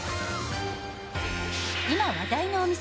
今話題のお店。